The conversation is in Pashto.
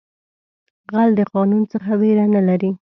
غل د قانون څخه ویره نه لري